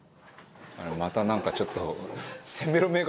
またなんかちょっと。